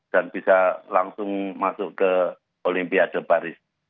dan bisa langsung masuk ke olimpiade paris